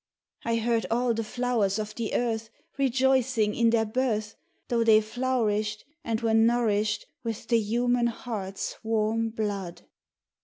I heard all the flowers of the earth Rejoicing in their birth, Though they flourished And were nourished With the human heart's warm blood